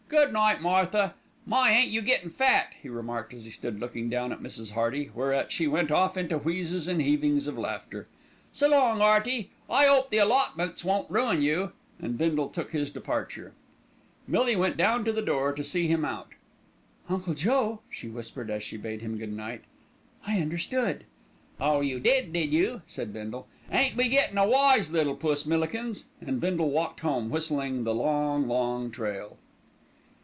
Good night, Martha. My, ain't you gettin' fat," he remarked as he stood looking down at Mrs. Hearty, whereat she went off into wheezes and heavings of laughter. "S'long, 'Earty, I 'ope the allotments won't ruin you," and Bindle took his departure. Millie went down to the door to see him out. "Uncle Joe," she whispered, as she bade him good night, "I understood." "Oh, you did, did you?" said Bindle. "Ain't we getting a wise little puss, Millikins," and Bindle walked home whistling "The Long, Long Trail."